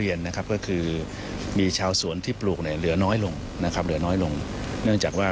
อย่าใช้คำว่าเรา